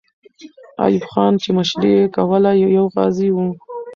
ایوب خان چې مشري یې کوله، یو غازی وو.